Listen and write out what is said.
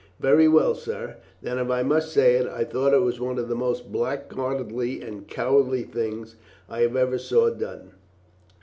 "Very well, sir. Then, if I must say it, I thought it was one of the most blackguardly and cowardly things I ever saw done."